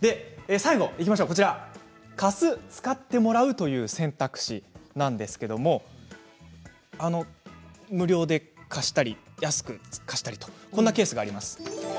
最後、貸す、使ってもらうという選択肢なんですけれども無料で貸したり、安く貸したりとこんなケースがあります。